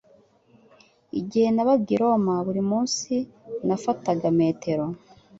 Igihe nabaga i Roma, buri munsi nafataga metero.